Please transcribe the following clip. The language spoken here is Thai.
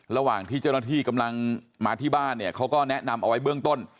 ระหว่างที่เจ้าหน้าที่กำลังมาที่บ้านเนี่ยเขาก็แนะนำเอาไว้เบื้องต้น